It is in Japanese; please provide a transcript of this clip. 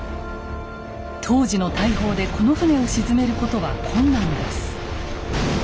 当時の大砲でこの船を沈めることは困難です。